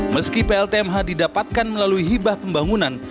meski pltmh didapatkan melalui hibah pembangunan